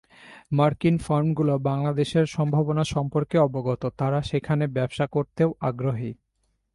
মার্কিন ফার্মগুলো বাংলাদেশের সম্ভাবনা সম্পর্কে অবগত, তারা সেখানে ব্যবসা করতেও আগ্রহী।